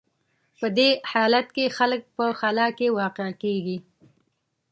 په دې حالت کې خلک په خلا کې واقع کېږي.